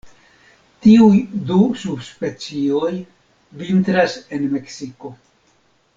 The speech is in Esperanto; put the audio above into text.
Tiuj du subspecioj vintras en Meksiko.